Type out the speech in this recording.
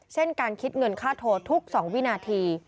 เช่นการคิดเงินค่าโทรทุก๒วินาที